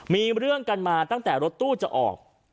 มีเรื่องกันมาตั้งแต่รถตู้จะออก